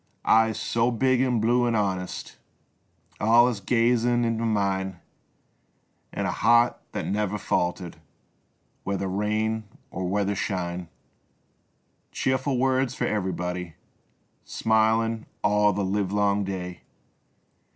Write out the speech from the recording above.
Eyes so big an' blue an' honest Alius gazin' int' mine, An' a heart that never faltered Whether rain or whether shine. Cheerful words for ev'r'body, Smilin' all the livelong day.